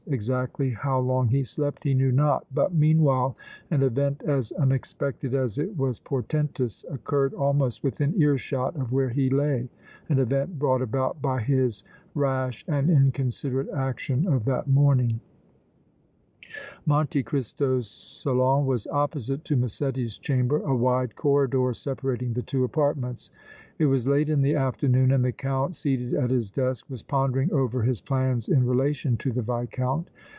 Exactly how long he slept he knew not, but meanwhile an event as unexpected as it was portentous occurred almost within earshot of where he lay, an event brought about by his rash and inconsiderate action of that morning. Monte Cristo's salon was opposite to Massetti's chamber, a wide corridor separating the two apartments. It was late in the afternoon and the Count, seated at his desk, was pondering over his plans in relation to the Viscount.